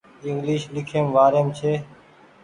انگليش ليکيم وآريم ڇي